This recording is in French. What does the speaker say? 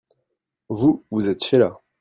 Vous, vous êtes Sheila.